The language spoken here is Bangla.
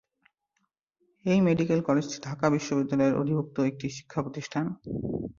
এই মেডিকেল কলেজটি ঢাকা বিশ্ববিদ্যালয়ের অধিভুক্ত একটি শিক্ষাপ্রতিষ্ঠান।